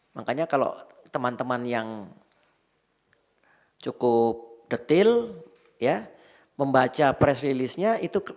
makanya kalau teman teman yang cukup detail ya membaca press release nya itu